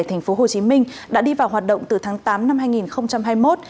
tp hcm đã đi vào hoạt động từ tháng tám năm hai nghìn hai mươi một